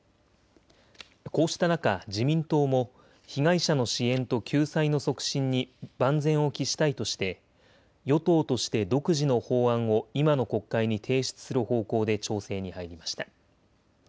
こうした中、自民党も被害者の支援と救済の促進に万全を期したいとして与党として独自の法案を今の国会に提出する方向で調整に入りました。